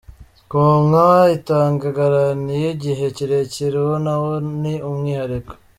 Konka itanga Garanti y'igihe kirekire uwo nawo ni umwihariko.